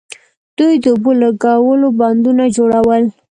دوی د اوبو لګولو بندونه جوړول